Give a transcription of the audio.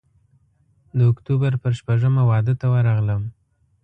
د اکتوبر پر شپږمه واده ته ورغلم.